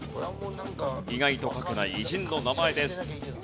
意外と書けない偉人の名前です。